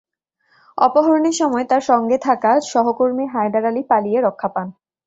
অপহরণের সময় তাঁর সঙ্গে থাকা সহকর্মী হায়দার আলী পালিয়ে রক্ষা পান।